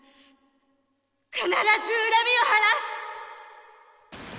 必ずうらみを晴らす！